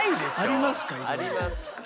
あります。